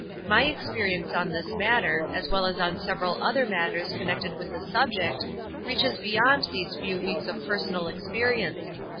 My experience on this matter, as well as on several other matters connected with the subject, reaches beyond these few weeks of personal experience.